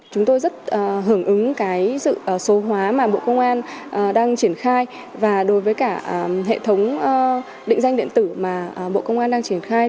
chúng tôi rất hưởng ứng sự số hóa mà bộ công an đang triển khai và đối với cả hệ thống định danh điện tử mà bộ công an đang triển khai